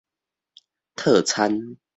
套餐